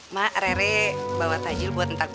mak rere bawa tajil buat entah buka